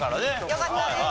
よかったです。